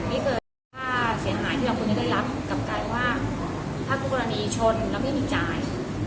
ไม่เคยเสียหายที่เราคุณได้รับกับการว่าถ้ากรณีชนแล้วไม่มีจ่าย